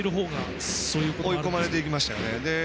追い込まれていきましたよね。